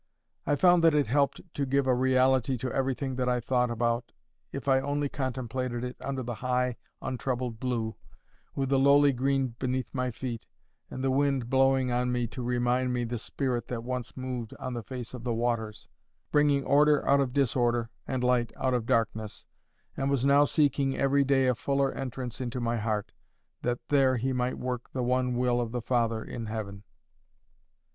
I found that it helped to give a reality to everything that I thought about, if I only contemplated it under the high untroubled blue, with the lowly green beneath my feet, and the wind blowing on me to remind me of the Spirit that once moved on the face of the waters, bringing order out of disorder and light out of darkness, and was now seeking every day a fuller entrance into my heart, that there He might work the one will of the Father in heaven.